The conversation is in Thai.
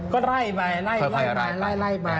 ก็ไล่มาไล่มาไล่มาไล่มาไล่มา